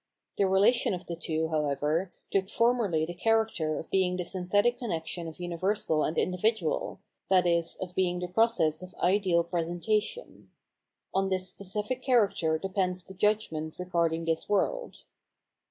The re lation of the two, however, took formerly the character of being the synthetic connection of universal and individual, i.e. of being the process of ideal presentation. On this specific character depends the judgment re garding this world.